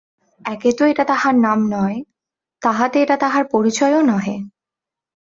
একে তো এটা তাহার নাম নয়, তাহাতে এটা তাহার পরিচয়ও নহে।